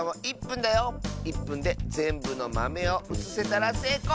１ぷんでぜんぶのまめをうつせたらせいこう！